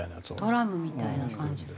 トラムみたいな感じの。